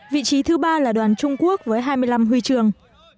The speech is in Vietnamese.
vị trí thứ ba là đoàn trung quốc với hai mươi năm huy chương